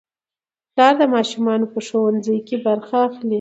پلار د ماشومانو په ښوونځي کې برخه اخلي